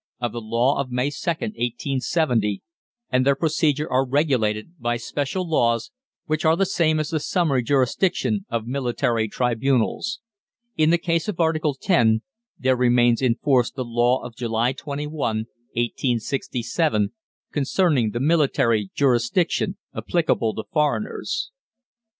of the Law of May 2, 1870, and their procedure are regulated by special laws which are the same as the summary jurisdiction of military tribunals. In the case of Article X. there remains in force the Law of July 21, 1867, concerning the military jurisdiction applicable to foreigners.